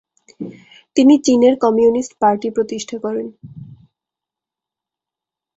তিনি চীনের communist party প্রতিষ্ঠা করেন।